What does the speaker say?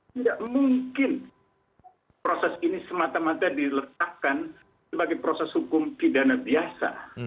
tidak mungkin proses ini semata mata diletakkan sebagai proses hukum pidana biasa